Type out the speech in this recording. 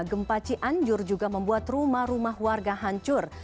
gempa cianjur juga membuat rumah rumah warga hancur